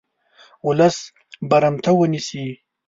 ولس برمته ونیسي.